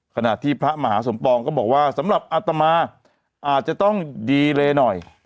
ขณะที่พระมหาสมปองก็บอกว่าสำหรับอัตมาอาจจะต้องดีเลหน่อย